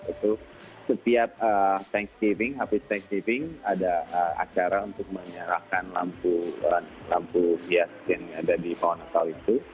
itu setiap thanksgiving habis thanksgiving ada acara untuk menyerahkan lampu bias yang ada di bawah natal itu